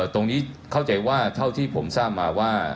ตรงนี้เข้าใจว่าเท่าที่ผมทราบมาว่า